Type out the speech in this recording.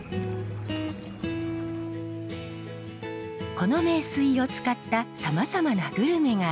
この名水を使ったさまざまなグルメがあります。